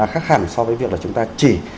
khác hẳn so với việc là chúng ta chỉ